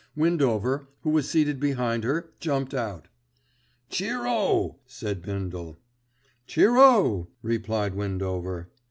Windover, who was seated behind her, jumped out. "Cheer o!" said Bindle. "Cheer o!" replied Windover.